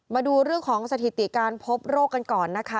มาดูเรื่องของสถิติการพบโรคกันก่อนนะคะ